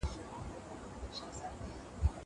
کېدای سي کتابتون ليری وي.